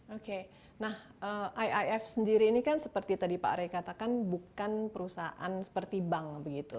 oke nah iif sendiri ini kan seperti tadi pak ray katakan bukan perusahaan seperti bank begitu